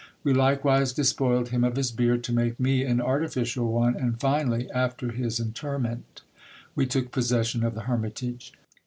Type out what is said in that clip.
We likewise despoiled him of his beard to make me an artificial one : and finally, after his interment, we took possession of the hermitage.